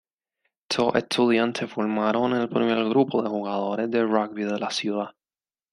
Estos estudiantes formaron el primer grupo de jugadores de Rugby de la ciudad.